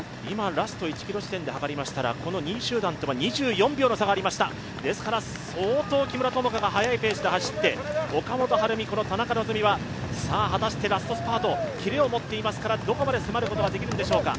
ラスト１ｋｍ地点で計りましたら２位集団とは２４秒の差がありました、ですから、総統木村友香が速いペースで走って、岡本春美、田中希実はラストスパート、キレを持っていますから、どこまで迫ることができるんでしょうか。